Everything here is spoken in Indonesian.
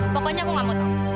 pokoknya aku gak mau tau